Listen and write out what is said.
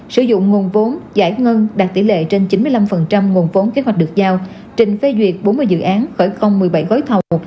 sử dụng nguồn vốn giải ngân đạt tỷ lệ trên chín mươi năm nguồn vốn kế hoạch được giao trình phê duyệt bốn mươi dự án khởi công một mươi bảy gói thầu